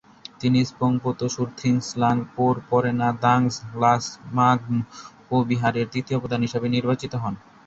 তিনি স্গোম-পো-ত্শুল-খ্রিম্স-স্ন্যিং-পোর পরে না দ্বাগ্স-ল্হা-স্গাম-পো বৌদ্ধবিহারের তৃতীয় প্রধান হিসেবে নির্বাচিত হন।